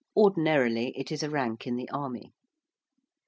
Ordinarily it is a rank in the army.